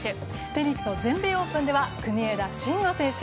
テニスの全米オープンでは国枝慎吾選手。